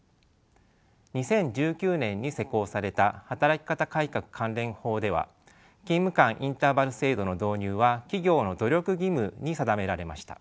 ２０１９年に施行された働き方改革関連法では勤務間インターバル制度の導入は企業の努力義務に定められました。